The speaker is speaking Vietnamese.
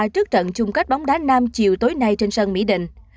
trước trận chung kết bóng đá nam chiều tối nay trên sân mỹ đình